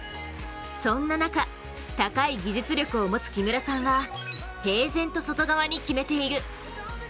そんな中高い技術力を持つ木村さんは平然と、外側に決めている。